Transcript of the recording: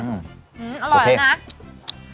อืมอร่อยแล้วนะโอเค